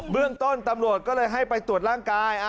เรื่องต้นตำรวจก็เลยให้ไปตรวจร่างกาย